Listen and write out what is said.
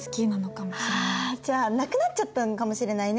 あじゃあなくなっちゃったのかもしれないね。